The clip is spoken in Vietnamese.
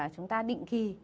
chúng ta định kỳ